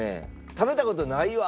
「食べた事ないわ」